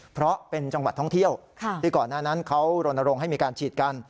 เพราะเป็นจังหวัดท่องเที่ยวที่ก่อนหน้านั้นเขารณรงค์ให้มีการฉีดกัน